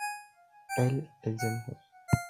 elles, elles aimeront.